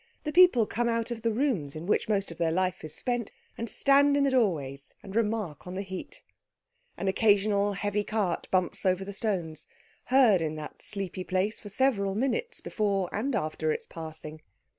The people come out of the rooms in which most of their life is spent, and stand in the doorways and remark on the heat. An occasional heavy cart bumps over the stones, heard in that sleepy place for several minutes before and after its passing.